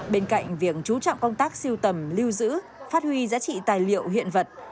bên cạnh việc chú trọng công tác siêu tầm lưu giữ phát huy giá trị tài liệu hiện vật